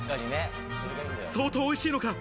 相当おいしいのか？